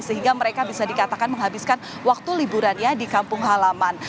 sehingga mereka bisa dikatakan menghabiskan waktu liburannya di kampung halaman